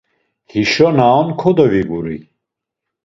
Hişo na onan kodoviguri.